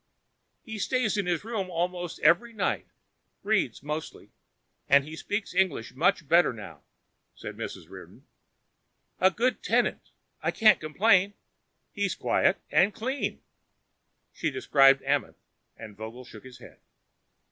"He stays in his room almost every night reads mostly, and he speaks English much better now," said Mrs. Reardon. "A good tenant I can't complain and he's quiet and clean." She described Amenth and Vogel shook his head.